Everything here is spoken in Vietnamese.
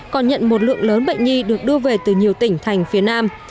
còn nhận một lượng lớn bệnh nhi được đưa về từ nhiều tỉnh thành phía nam